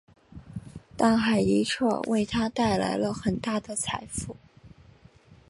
但海迪彻为他带来了很大的财富。